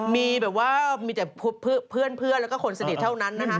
มีแบบว่ามีแต่เพื่อนแล้วก็คนสนิทเท่านั้นนะครับ